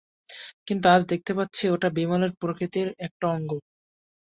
কিন্তু, আজ দেখতে পাচ্ছি ওটা বিমলের প্রকৃতির একটা অঙ্গ।